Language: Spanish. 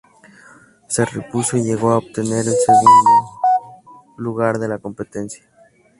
Se repuso y llegó a obtener el segundo lugar de la competencia.